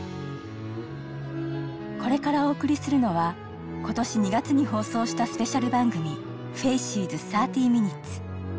これからお送りするのは今年２月に放送したスペシャル番組「ＦＡＣＥＳ３０ｍｉｎ．」。